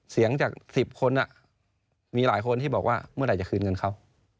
เสียงจาก๑๐คนมีหลายคนที่บอกว่าเมื่อไหร่จะคืนเงินเขา